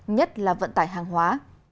nhất là vận tải hàng hóa